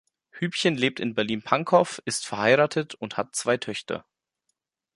Hübchen lebt in Berlin-Pankow, ist verheiratet und hat zwei Töchter.